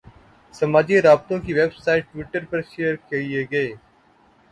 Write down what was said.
سماجی رابطوں کی ویب سائٹ ٹوئٹر پر شیئر کیے گئے